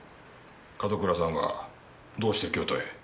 門倉さんはどうして京都へ？